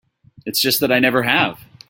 It's just that I never have.